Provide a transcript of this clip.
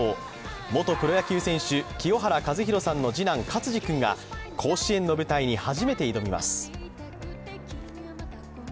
元プロ野球選手、清原和博さんの次男、勝児君が甲子園の舞台に初めて挑みます。